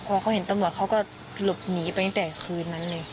พอเขาเห็นตำรวจเขาก็หลบหนีไปตั้งแต่คืนนั้นเลย